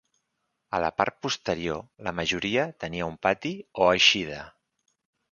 A la part posterior la majoria tenia un pati o eixida.